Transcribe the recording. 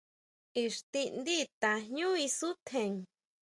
Ixtindi tajñu isutjen.